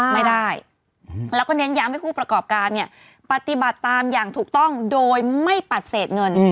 ไม่ได้แล้วก็เน้นย้ำให้ผู้ประกอบการเนี่ยปฏิบัติตามอย่างถูกต้องโดยไม่ปฏิเสธเงิน